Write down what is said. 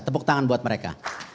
tepuk tangan buat mereka